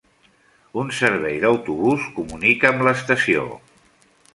Un servei d'autobús comunica amb l'estació.